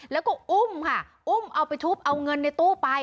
แล้วก็อุ้มค่ะอุ้มเอาไปทุบเอาเงินในตู้ไป